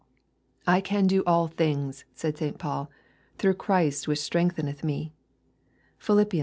" I can do all things," said St. Paul, " through Christ which Btrengtheneth me/' (Philip, iv.